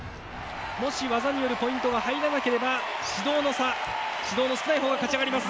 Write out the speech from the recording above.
技によるポイントが入らなければ指導の差、指導の少ないほうが勝ち上がります。